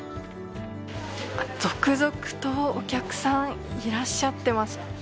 続々とお客さん、いらっしゃってます。